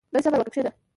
• لږ صبر وکړه، کښېنه.